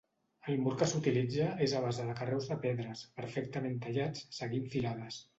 El mur que s'utilitza és a base de carreus de pedres, perfectament tallats, seguint filades.